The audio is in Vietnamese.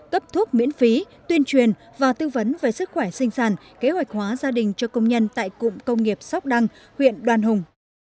cấp thuốc miễn phí tuyên truyền và tư vấn về sức khỏe sinh sản kế hoạch hóa gia đình cho công nhân tại cụm công nghiệp sóc đăng huyện đoàn hùng